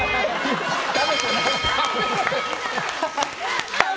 食べてない。